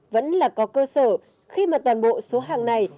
vẫn là có cơ sở khi mà toàn bộ số hàng này